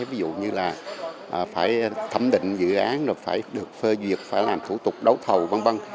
ví dụ như là phải thẩm định dự án phải được phơi diệt phải làm thủ tục đấu thầu văn văn